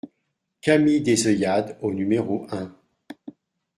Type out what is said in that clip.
Cami des Oeillades au numéro un